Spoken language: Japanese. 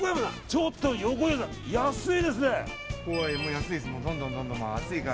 ちょっと横山さん安いですね。